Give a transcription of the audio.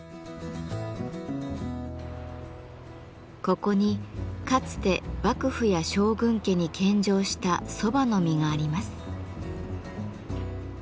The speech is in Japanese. ここにかつて幕府や将軍家に献上した蕎麦の実があります。